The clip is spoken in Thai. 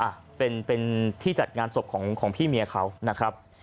อ่ะเป็นเป็นที่จัดงานศพของพี่เมียเขานะครับ